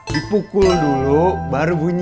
dipukul dulu baru bunyi